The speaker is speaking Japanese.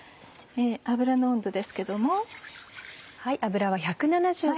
油の温度ですけども。